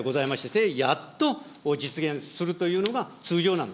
それでやっと実現するというのが通常なの。